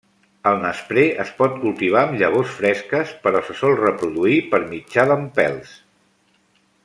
El nesprer es pot cultivar amb llavors fresques però se sol reproduir per mitjà d'empelts.